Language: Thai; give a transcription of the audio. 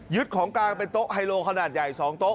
ของกลางเป็นโต๊ะไฮโลขนาดใหญ่๒โต๊ะ